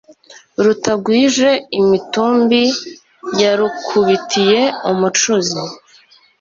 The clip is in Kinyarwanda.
Rutagwije imitumbi Yarukubitiye umucuzi